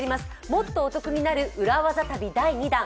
もっとお得になる裏ワザ旅第２弾。